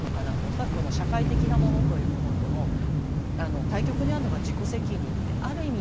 恐らく社会的なものというものとの対極にあるのが自己責任である意味